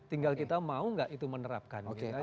tinggal kita mau gak itu menerapkan